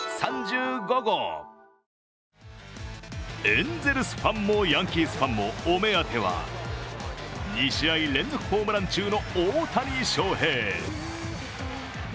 エンゼルスファンもヤンキースファンも、お目当ては２試合連続ホームラン中の大谷翔平。